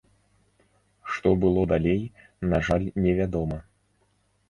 Што было далей, на жаль невядома.